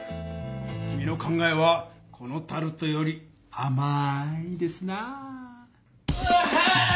君の考えはこのタルトよりあまいですなぁ！